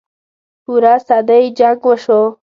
پوره صدۍ جـنګ وشو.